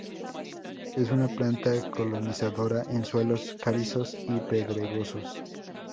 Es una planta colonizadora en suelos calizos y pedregosos.